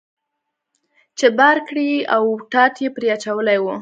چې بار کړی یې و او ټاټ یې پرې اچولی و.